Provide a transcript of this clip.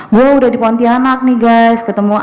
gue udah di pontianak nih guys